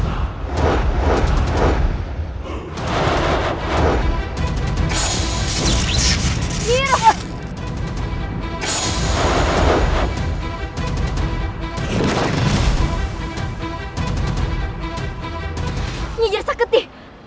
aku jauh lebih sakti